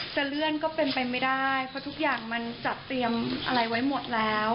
จะเลื่อนก็เป็นไปไม่ได้เพราะทุกอย่างมันจัดเตรียมอะไรไว้หมดแล้ว